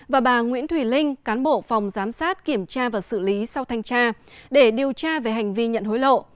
và bà nguyễn thùy linh cán bộ phòng giám sát kiểm tra và xử lý sau thanh tra để điều tra về hành vi nhận hối lộ